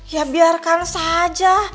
ya biarkan saja